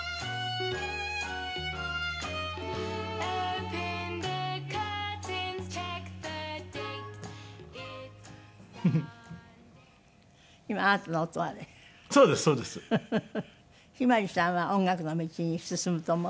向日葵さんは音楽の道に進むと思う？